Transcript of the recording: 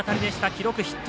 記録、ヒット。